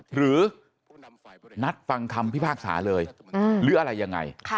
หรือนัดฟังคำพิพากษาเลยหรืออะไรยังไง